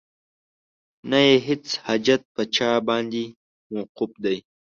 نه یې هیڅ حاجت په چا باندې موقوف دی